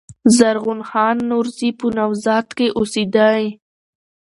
زرغون خان نورزي په "نوزاد" کښي اوسېدﺉ.